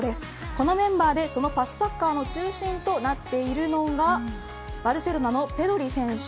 このメンバーでそのパスサッカーの中心となっているのがバルセロナのペドリ選手。